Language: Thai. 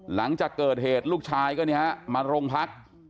หลังจากเกิดเหตุลูกชายก็มาโรงพัก